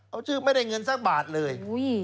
เอาชื่อไม่ได้เงินสักบาทเลย